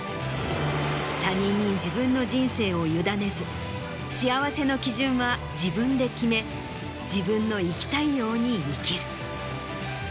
他人に自分の人生を委ねず幸せの基準は自分で決め自分の生きたいように生きる。